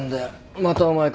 またお前か。